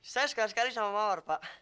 saya suka sekali sama mawar pak